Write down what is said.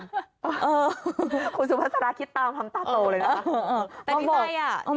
เออคุณสุภาษณะคิดตามทั้งตาโตเลยนะคะ